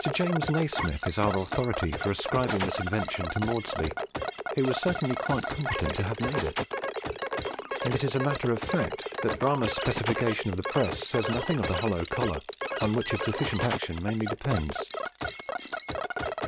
James Nasmyth is our authority for ascribing this invention to Maudslay, who was certainly quite competent to have made it; and it is a matter of fact that Bramah's specification of the press says nothing of the hollow collar, on which its efficient action mainly depends.